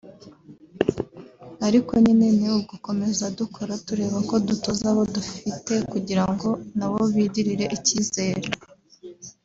Ariko nyine ni ugukomeza dukora tureba uko dutoza abo dufite kugira ngo nabo bigirire icyizere”